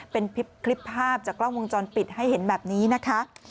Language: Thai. เป็นคลิปภาพจากกล้องวงจรปิดให้เห็นแบบนี้นะคะ